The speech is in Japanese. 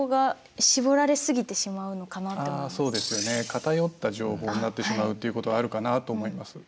偏った情報になってしまうっていうことはあるかなと思います。